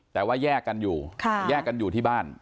แต่ว่าแยกกันอยู่แยกกันอยู่ที่บ้าน